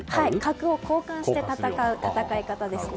角を交換して戦う戦い方ですね。